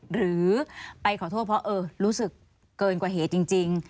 หรือไปขอโทษเพราะเออรู้สึกเกินกว่าเหตุจริง